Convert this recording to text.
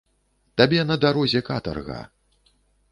Табе на дарозе катарга.